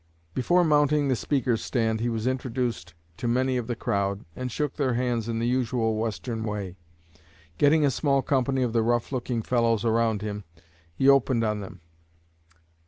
Before mounting the speaker's stand he was introduced to many of the crowd, and shook their hands in the usual Western way. Getting a small company of the rough looking fellows around him, he opened on them.